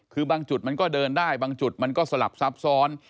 คือบางจุดมันก็เดินได้บางจุดมันก็สลับซับซ้อน